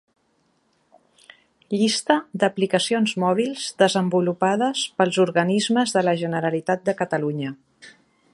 Llista d'aplicacions mòbils desenvolupades pels organismes de la Generalitat de Catalunya.